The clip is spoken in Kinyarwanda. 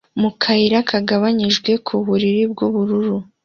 mu kayira kagabanijwe ku buriri bw'ubururu